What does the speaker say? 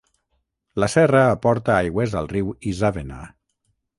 La serra aporta aigües al riu Isàvena.